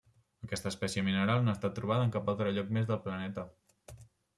Aquesta espècie mineral no ha estat trobada en cap altre lloc més del planeta.